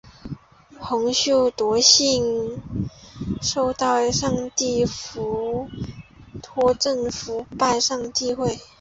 洪秀全笃信受上帝托负创拜上帝会。